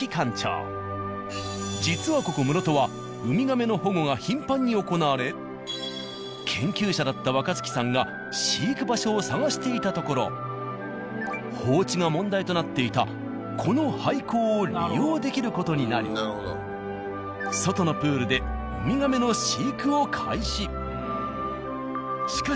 実はここ室戸はウミガメの保護が頻繁に行われ研究者だった若月さんが飼育場所を探していたところ放置が問題となっていたこの廃校を利用できる事になり外のプールでウミガメの飼育を開始。